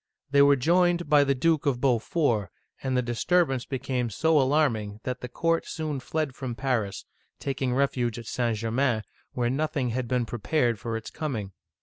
They were joined by the Duke of Beaufort, and the dis turbance became so alarming that the court soon fled from Paris, taking refuge at St. Germain, where nothing had been prepared for its coming.